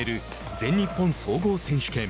全日本総合選手権。